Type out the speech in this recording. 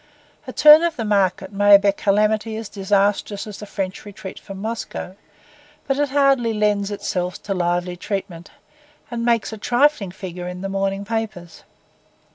A turn of the market may be a calamity as disastrous as the French retreat from Moscow; but it hardly lends itself to lively treatment, and makes a trifling figure in the morning papers.